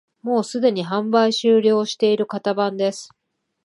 もうすでに販売終了している型番です